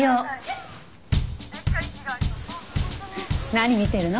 何見てるの？